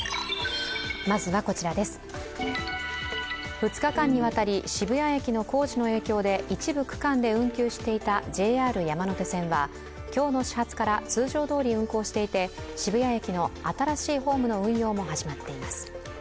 ２日間にわたり、渋谷駅の工事の影響で一部区間で運休していたＪＲ山手線は今日の始発から通常どおり運行していて渋谷駅の新しいホームの運用も始まっています。